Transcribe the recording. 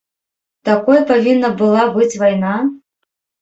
Такой павінна была быць вайна?